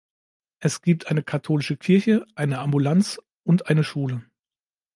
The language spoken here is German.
Es gibt eine katholische Kirche, eine Ambulanz und eine Schule.